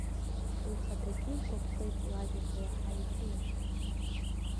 Лхаҭагьы илгәаԥхеит лажәақәа иаҳа иахьылашаз.